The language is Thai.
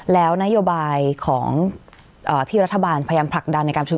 แล้วนโยบายของที่รัฐบาลพยายามผลักดันในการประชุม